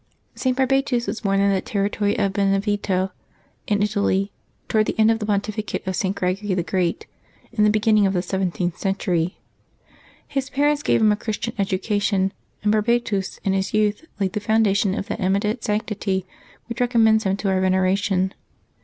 [t. Barbatus was born in the territory of Benevento in Italy, toward the end of the pontificate of St. Greg ory the Great, in the beginning of the seventh century. His parents gave him a Christian education, and Barbatus in his youth laid the foundation of that eminent sanctity which recommends him to our veneration.